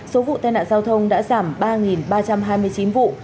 số vụ tai nạn giao thông đã giảm ba ba trăm hai mươi chín vụ